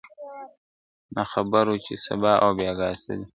نه خبر وو چي سبا او بېګاه څه دی ..